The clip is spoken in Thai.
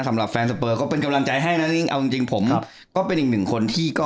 สำหรับแฟนสเปอร์ก็เป็นกำลังใจให้นะจริงเอาจริงผมก็เป็นอีกหนึ่งคนที่ก็